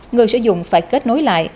người sử dụng phải kết nối lại